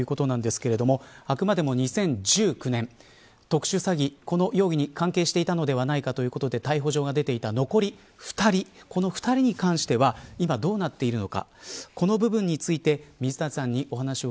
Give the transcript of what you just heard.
この２人に関してはこの後、午前中の飛行機で日本にということですがあくまでも２０１９年特殊詐欺、この容疑に関係していていたのではないかということで逮捕状が出ていた、残り２人この２人に関しては今どうなっているのか。